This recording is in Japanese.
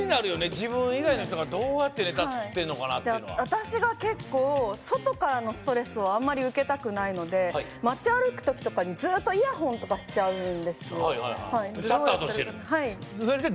自分以外の人がどうやってネタ作ってるのかなっていうのは私が結構外からのストレスをあんまり受けたくないので街歩く時とかにずっとイヤホンとかしちゃうんですシャットアウトしてる